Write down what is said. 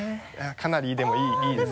かなりいいです。